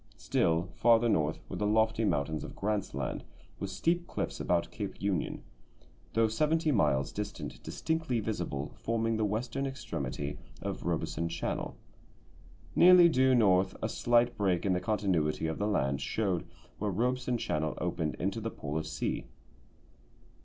Still farther north were the lofty mountains of Grant's Land with steep cliffs about Cape Union, though seventy miles distant distinctly visible, forming the western extremity of Robeson Channel. Nearly due north a slight break in the continuity of the land showed where Robeson Channel opened into the Polar Sea.